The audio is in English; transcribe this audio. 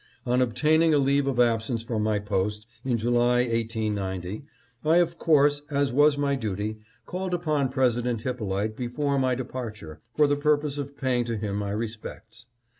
On obtaining a leave of absence from my post, in July, 1890, I, of course, as was my duty, called upon Presi dent Hyppolite before my departure, for the purpose of paying to him my respects.